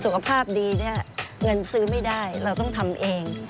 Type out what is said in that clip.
สุขภาพดีเนี่ยเงินซื้อไม่ได้เราต้องทำเอง